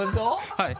はい。